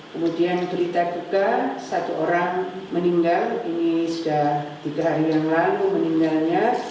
kemudian berita duka satu orang meninggal ini sudah tiga hari yang lalu meninggalnya